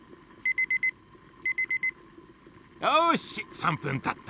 よし３ぷんたった。